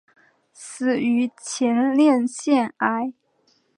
死于前列腺癌。